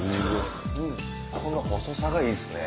この細さがいいっすね。